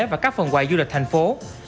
và các phần quà du lịch thành phố